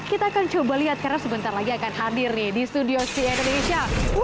kita akan coba lihat karena sebentar lagi akan hadir di studio sie indonesia